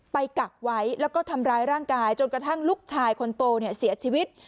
กักไว้แล้วก็ทำร้ายร่างกายจนกระทั่งลูกชายคนโตเนี่ยเสียชีวิต